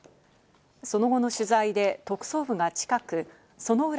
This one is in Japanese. その後の取材で特捜部が近く薗浦